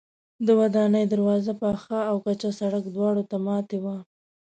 د ودانۍ دروازې پاخه او کچه سړک دواړو ته ماتې وې.